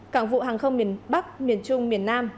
cảng vụ hàng không miền bắc miền trung miền nam